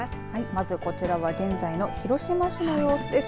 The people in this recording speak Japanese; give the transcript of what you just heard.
まずこちらは現在の広島市の様子です。